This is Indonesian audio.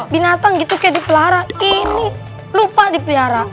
binatang gitu kayak di pelihara ini lupa di pelihara